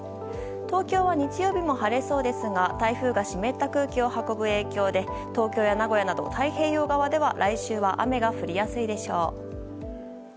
東京は日曜日も晴れそうですが台風が湿った空気を運ぶ影響で東京や名古屋など太平洋側は来週は雨が降りやすいでしょう。